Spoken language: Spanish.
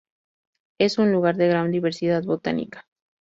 Es un lugar de gran diversidad botánica.